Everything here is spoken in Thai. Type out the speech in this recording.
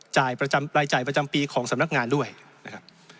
รายจ่ายประจำปีของสำนักงานด้วยนะครับ